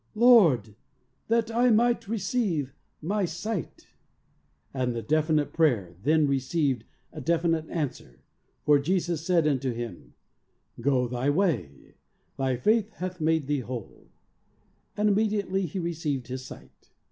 "Lord, that I might receive my sight," and PRAYER. 21 the definite prayer then received a definite answer, for Jesus said unto him : "Go thy way, thy faith hath made thee whole," and immediately he received his sight.